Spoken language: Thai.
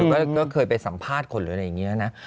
ก็เคยไปสัมภาษณ์คนหรืออะไรอย่างนี้นะ